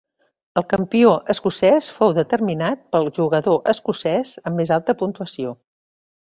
El campió escocès fou determinat pel jugador escocès amb més alta puntuació.